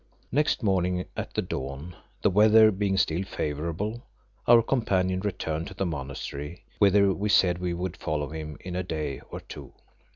Next morning at the dawn, the weather being still favourable, our companion returned to the monastery, whither we said we would follow him in a day or two.